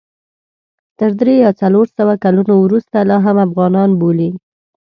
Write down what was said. تر درې یا څلور سوه کلونو وروسته لا هم افغانان بولي.